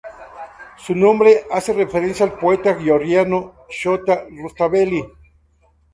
Su nombre hace referencia al poeta georgiano Shota Rustaveli.